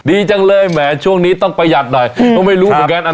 ดีจังเลยแหมช่วงนี้ต้องประหยัดหน่อยก็ไม่รู้เหมือนกัน